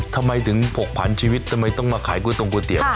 ทำไมถึงผกผันชีวิตทำไมต้องมาขายก๋วยตรงก๋วยเตี๋ยว